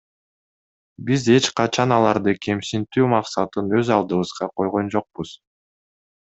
Биз эч качан аларды кемсинтүү максатын өз алдыбызга койгон жокпуз.